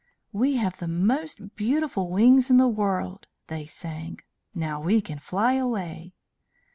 "We have the most beautiful wings in the world," they sang. "Now we can fly away."